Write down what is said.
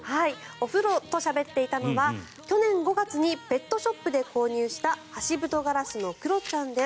お風呂としゃべっていたのは去年５月にペットショップで購入したハシブトガラスのクロちゃんです。